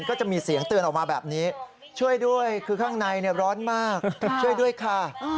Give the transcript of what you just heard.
ก็จะมีเสียงเตือนออกมาแบบนี้ช่วยด้วยคือข้างในร้อนมากช่วยด้วยค่ะ